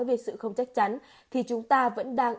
về sự không chắc chắn thì chúng ta vẫn đang